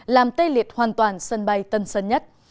làm tê liệt hoàn toàn sân bay tân sơn nhất